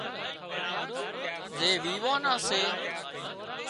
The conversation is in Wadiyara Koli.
زي ويوان نا سي